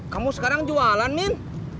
kamu sekarang jualan min